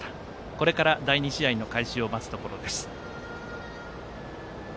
これから第２試合の開始を待つところです。